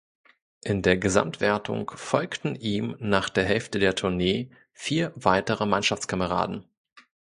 In der Gesamtwertung folgten ihm nach der Hälfte der Tournee vier weitere Mannschaftskameraden.